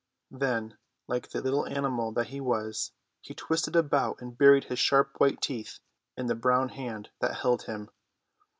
Then, like the little animal that he was, he twisted about and buried his sharp white teeth in the brown hand that held him.